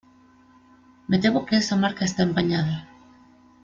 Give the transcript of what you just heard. Me temo que esa marca está empañada.